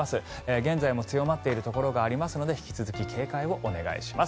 現在も強まっているところがありますので引き続き警戒をお願いします。